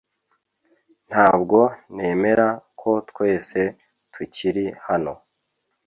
Ntabwo nemera ko twese tukiri hano